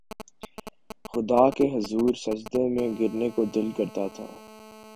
خدا کے حضور سجدے میں گرنے کو دل کرتا تھا